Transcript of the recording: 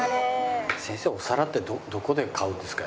先生お皿ってどこで買うんですか？